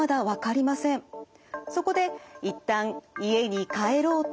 そこでいったん家に帰ろうと思ったのです。